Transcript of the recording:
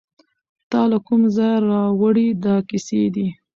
تاله کوم ځایه راوړي دا کیسې دي